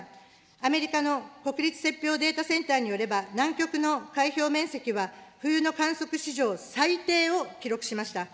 アメリカの国立雪氷データセンターによれば、南極の海氷面積は冬の観測史上最低を記録しました。